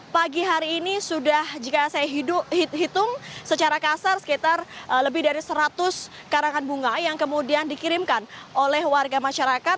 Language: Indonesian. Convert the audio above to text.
pagi hari ini sudah jika saya hitung secara kasar sekitar lebih dari seratus karangan bunga yang kemudian dikirimkan oleh warga masyarakat